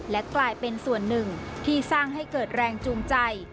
และกลายเป็นส่วนหนึ่งที่สร้างให้เกิดแรงจูงใจ